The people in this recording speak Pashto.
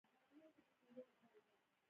ذهن د نوو لارو جوړولو وړتیا لري.